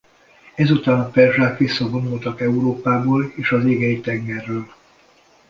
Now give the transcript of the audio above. Ezután a perzsák visszavonultak Európából és az Égei-tengerről.